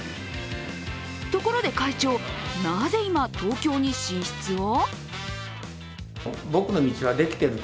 ところで会長、なぜ今、東京に進出を？